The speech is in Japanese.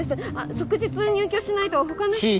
即日入居しないと他の人に。